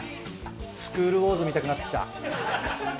スクールウォーズ』みたくなってきた。